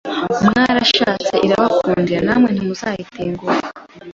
Mwarashatse irabakundira namwe ntimuzayitenguhe